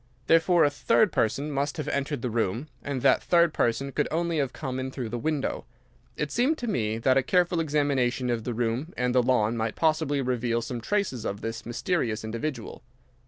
Therefore a third person must have entered the room. And that third person could only have come in through the window. It seemed to me that a careful examination of the room and the lawn might possibly reveal some traces of this mysterious individual.